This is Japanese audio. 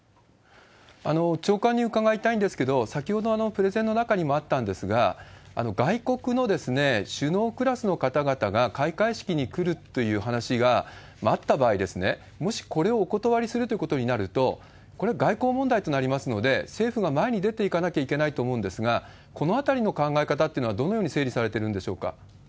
長官に伺いたいんですけれども、先ほどプレゼンの中にもあったんですが、外国の首脳クラスの方々が開会式に来るっていう話があった場合、もしこれをお断りするということになると、これは外交問題となりますので、政府が前に出ていかなきゃいけないと思うんですが、このあたりの考え方っていうのは、どのように整理されてるんでしょうか？